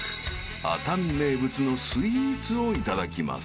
［熱海名物のスイーツをいただきます］